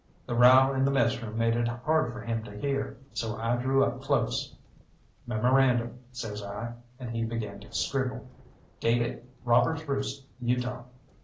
The row in the messroom made it hard for him to hear, so I drew up close. "Memorandum," says I, and he began to scribble; "date it 'Robbers' Roost, Utah.'"